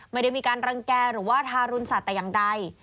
ไม่ได้มีการรังแก่หรือว่าทารุณสัตว์แต่อย่างใด